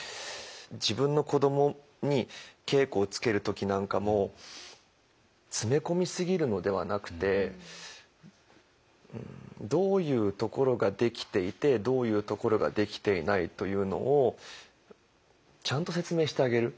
自分の子どもに稽古をつける時なんかも詰め込み過ぎるのではなくてどういうところができていてどういうところができていないというのをちゃんと説明してあげる。